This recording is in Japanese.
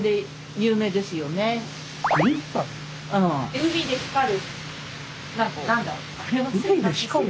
海で光る？